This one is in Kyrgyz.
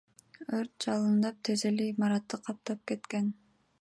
Өрт жалындап тез эле имаратты каптап кеткен.